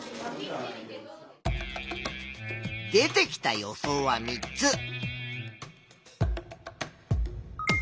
出てきた予想は３つ。